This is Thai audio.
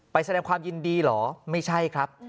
แสดงความยินดีเหรอไม่ใช่ครับ